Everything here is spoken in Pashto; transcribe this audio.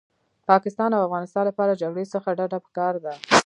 پاکستان او افغانستان لپاره جګړې څخه ډډه پکار ده